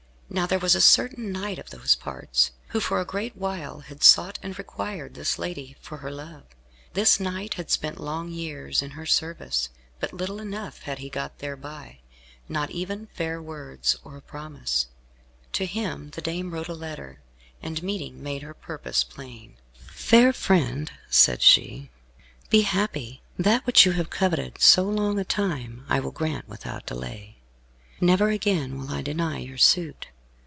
Now there was a certain knight of those parts, who, for a great while, had sought and required this lady for her love. This knight had spent long years in her service, but little enough had he got thereby, not even fair words, or a promise. To him the dame wrote a letter, and meeting, made her purpose plain. "Fair friend," said she, "be happy. That which you have coveted so long a time, I will grant without delay. Never again will I deny your suit.